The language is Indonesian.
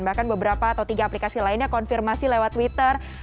bahkan beberapa atau tiga aplikasi lainnya konfirmasi lewat twitter